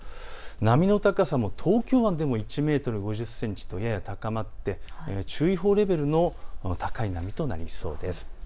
波の高さも東京湾でも１メートル５０センチとやや高まって注意報レベルの高い波となりそうです。